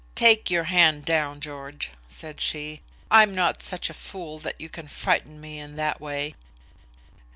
"Take your hand down, George," said she. "I'm not such a fool that you can frighten me in that way."